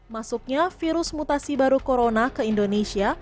masuknya virus mutasi baru corona ke indonesia